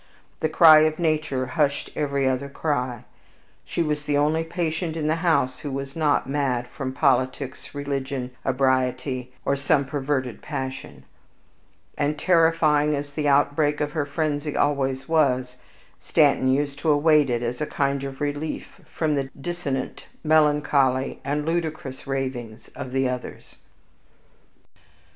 The cry of nature hushed every other cry, she was the only patient in the house who was not mad from politics, religion, ebriety, or some perverted passion; and terrifying as the outbreak of her frenzy always was, Stanton used to await it as a kind of relief from the dissonant, melancholy, and ludicrous ravings of the others.